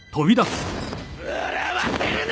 笑わせるな！！